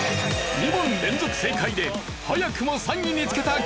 ２問連続正解で早くも３位につけたカズレーザー。